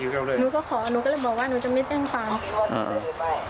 หนูก็ขอหนูก็เลยบอกว่าหนูจะไม่แจ้งความ